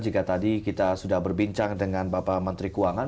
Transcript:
jika tadi kita sudah berbincang dengan bapak menteri keuangan